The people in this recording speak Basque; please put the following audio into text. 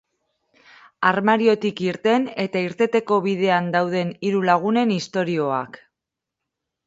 Armariotik irten eta irteteko bidean dauden hiru lagunen istorioak.